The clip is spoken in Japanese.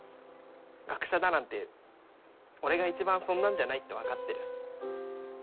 学者だなんて俺が一番そんなんじゃないって分かってる。